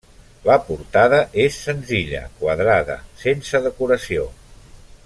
La portada és senzilla, quadrada, sense decoració.